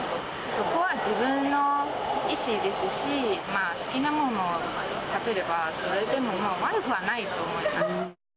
そこは自分の意思ですし、好きなものを食べれば、それでもまあ、悪くはないと思います。